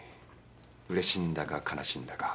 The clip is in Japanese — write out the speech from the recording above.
うれしいんだか悲しいんだか。